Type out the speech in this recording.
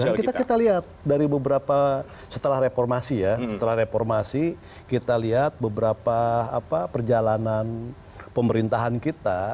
kita lihat dari beberapa setelah reformasi ya setelah reformasi kita lihat beberapa perjalanan pemerintahan kita